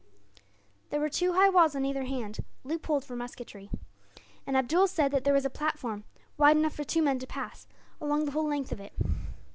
There were two high walls on either hand, loopholed for musketry; and Abdool said that there was a platform, wide enough for two men to pass, along the whole length of it.